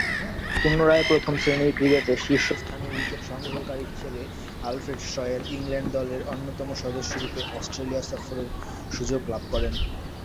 পুনরায় প্রথম-শ্রেণীর ক্রিকেটে শীর্ষস্থানীয় উইকেট সংগ্রহকারী হিসেবে আলফ্রেড শ’য়ের ইংল্যান্ড দলের অন্যতম সদস্যরূপে অস্ট্রেলিয়া সফরের সুযোগ লাভ করেন।